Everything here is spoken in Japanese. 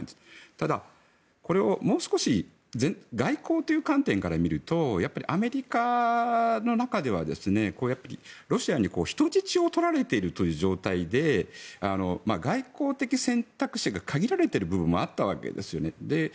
ただ、これをもう少し外交という観点から見るとアメリカの中では、ロシアに人質を取られているという状態で外交的選択肢が限られている部分もあったわけですよね。